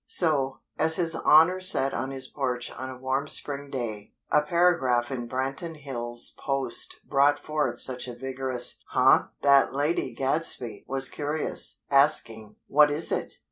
So, as His Honor sat on his porch on a warm spring day, a paragraph in Branton Hills' "Post" brought forth such a vigorous "Huh!" that Lady Gadsby was curious, asking: "What is it?"